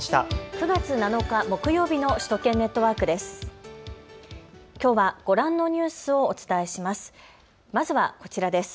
９月７日木曜日の首都圏ネットワークです。